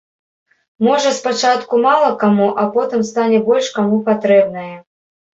Можа, спачатку мала каму, а потым стане больш каму патрэбнае.